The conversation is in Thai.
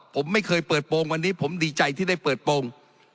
ผมไม่เคยเปิดโปรงวันนี้ผมดีใจที่ได้เปิดโปรง